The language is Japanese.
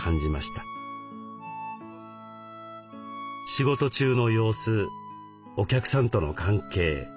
仕事中の様子お客さんとの関係。